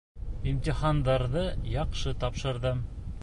Имтихандарҙы яҡшы тапшырҙым.